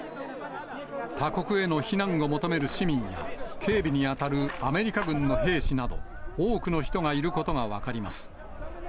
他国への避難を求める市民や、警備に当たるアメリカ軍の兵士など、多くの人がいることが分かります。